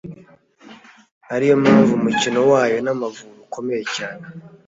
ariyo mpamvu umukino wayo n’Amavubi ukomeye cyane